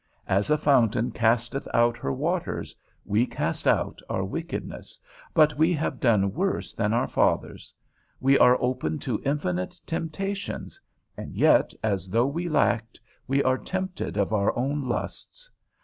As a fountain casteth out her waters, we cast out our wickedness, but we have done worse than our fathers. We are open to infinite temptations, and yet, as though we lacked, we are tempted of our own lusts.